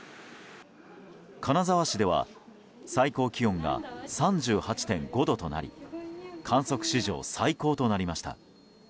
金沢市では最高気温が３８．５度となり観測史上最高となりました。